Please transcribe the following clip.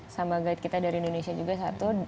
sama guide kita dari indonesia juga satu